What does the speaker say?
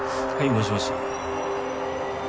もしもし。